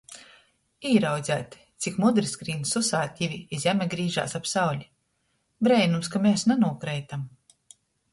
Īraudzeit, cik mudri skrīn susātivi i zeme grīžās ap sauli. Breinums, ka mes nanūkreitam.